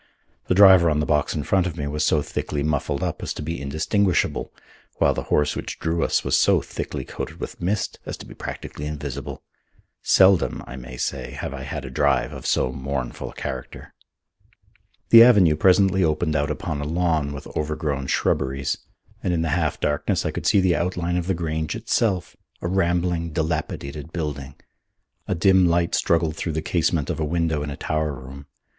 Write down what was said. The driver on the box in front of me was so thickly muffled up as to be indistinguishable, while the horse which drew us was so thickly coated with mist as to be practically invisible. Seldom, I may say, have I had a drive of so mournful a character. The avenue presently opened out upon a lawn with overgrown shrubberies, and in the half darkness I could see the outline of the Grange itself, a rambling, dilapidated building. A dim light struggled through the casement of a window in a tower room.